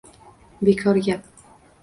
Bekor gap!